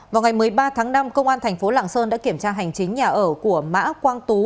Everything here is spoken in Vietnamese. vào ngày một mươi ba tháng năm công an thành phố lạng sơn đã kiểm tra hành chính nhà ở của mã quang tú